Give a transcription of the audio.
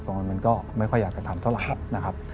มันก็ไม่ค่อยอยากจะทำเท่าไหร่นะครับ